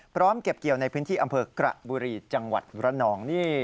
เก็บเกี่ยวในพื้นที่อำเภอกระบุรีจังหวัดระนองนี่